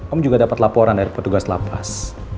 om juga dapat laporan dari petugas lapas